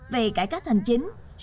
về cải cách hành chính